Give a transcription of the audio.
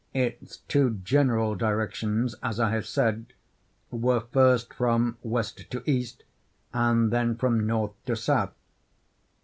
Its two general directions, as I have said, were first from west to east, and then from north to south.